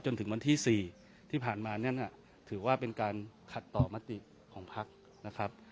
จนถึงวันที่๔ที่ผ่านมาเนี่ยนะถือว่าเป็นการขัดต่อมติของพักนะครับ